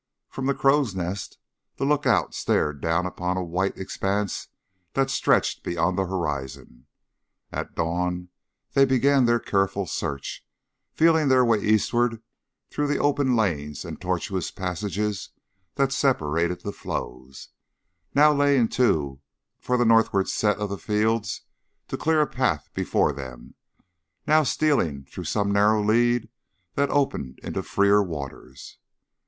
From the crow's nest the lookout stared down upon a white expanse that stretched beyond the horizon. At dawn they began their careful search, feeling their way eastward through the open lanes and tortuous passages that separated the floes, now laying to for the northward set of the fields to clear a path before them, now stealing through some narrow lead that opened into freer waters.